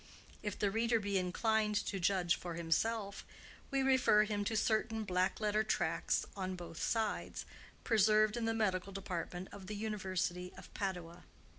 If the reader be inclined to judge for himself, we refer him to certain black letter tracts on both sides, preserved in the medical department of the University of Padua.